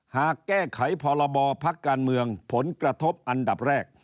หากแก้ไขพรบพักการเมืองผลกระทบอันดับแรก